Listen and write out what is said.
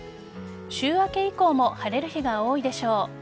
週明け以降も晴れる日が多いでしょう。